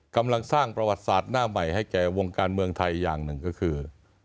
กำลังสร้างประวัติศาสตร์หน้าใหม่ให้แก่วงการเมืองไทยอย่างหนึ่งก็คือ